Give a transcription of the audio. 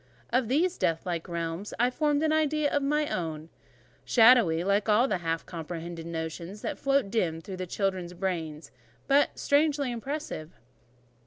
Of these death white realms I formed an idea of my own: shadowy, like all the half comprehended notions that float dim through children's brains, but strangely impressive.